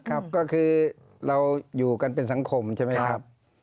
ครับก็คือเราอยู่กันเป็นสังคมใช่ไหมครับ